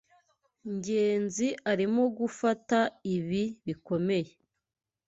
Ngenzi arimo gufata ibi bikomeye.